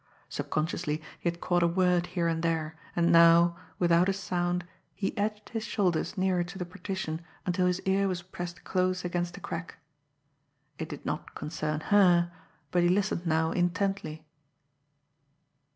Subconsciously he had caught a word here and there, and now, without a sound, he edged his shoulders nearer to the partition until his ear was pressed close against a crack. It did not concern her, but he listened now intently.